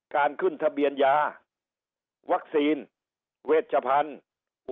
การขึ้นทะเบียนยาวัคซีนเวชพันธุ์